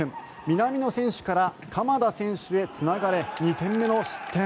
南野選手から鎌田選手へつながれ２点目の失点。